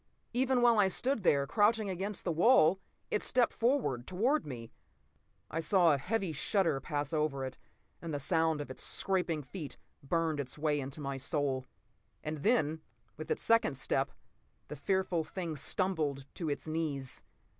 Even while I stood there, crouching against the wall, it stepped forward toward me. I saw a heavy shudder pass over it, and the sound of its scraping feet burned its way into my soul. And then, with its second step, the fearful thing stumbled to its knees.